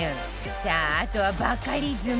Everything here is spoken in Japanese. さああとはバカリズム